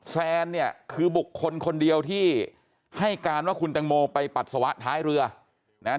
แซนเนี่ยคือบุคคลคนเดียวที่ให้การว่าคุณตังโมไปปัสสาวะท้ายเรือนะฮะ